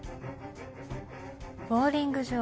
ボウリング場。